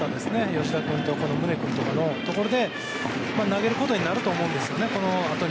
吉田君とか宗君とかのところで投げることになると思うんですよね。